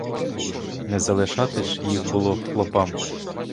Не залишати ж їх було хлопам?